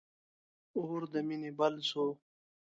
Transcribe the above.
اور د مینی بل سو